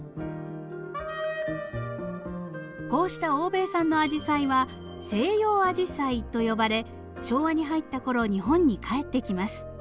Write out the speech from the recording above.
こうした欧米産のアジサイは「西洋アジサイ」と呼ばれ昭和に入った頃日本に帰ってきます。